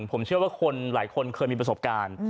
ผมเชื่อว่าคนหลายคนเคยมีประสบการณ์